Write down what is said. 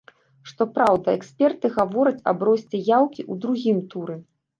Што праўда, эксперты гавораць аб росце яўкі ў другім туры.